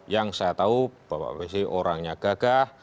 yang saya tahu bapak psi orangnya gagah